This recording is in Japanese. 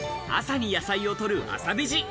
朝に野菜を取る朝ベジ。